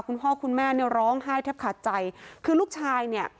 คุณพ่อคุณแม่เนี่ยร้องไห้แทบขาดใจคือลูกชายเนี่ย